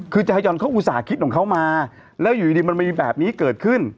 คือจาฮยอนเขาอุตส่าห์คิดของเขามาแล้วอยู่ดีมันมีแบบนี้เกิดขึ้น